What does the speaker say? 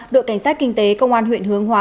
đội cảnh sát kinh tế công an huyện hướng hóa